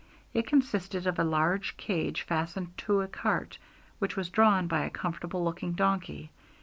It consisted of a large cage fastened to a cart, which was drawn by a comfortable looking donkey.